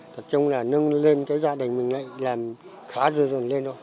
thật trung là nâng lên cái gia đình mình lại làm khá dư dần lên đó